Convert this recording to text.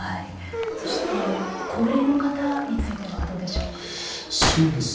そして高齢の方についてはどうでしょう。